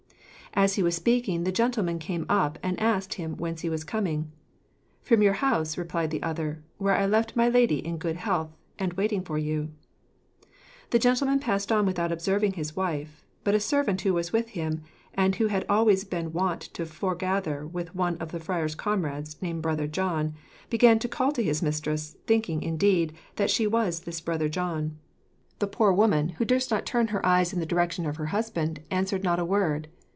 As he was speaking, the gentleman came up, and asked him whence he was coming. "From your house," replied the other, "where I left my lady in good health, and waiting for you." The gentleman passed on without observing his wife, but a servant who was with him, and who had always been wont to foregather with one of the friar's comrades named Brother John, began to call to his mistress, thinking, indeed, that she was this Brother John. The poor woman, who durst not turn her eyes in the direction of her husband, answered not a word.